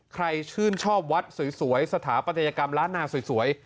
ใครชื่นชอบวัดสวยสถาปัตยกรรมล้านนาสวย